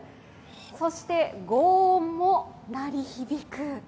そして、ごう音も鳴り響く。